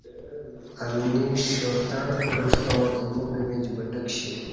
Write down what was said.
امنی شرتع کعستاں ایموپمیچ بٹہ کشی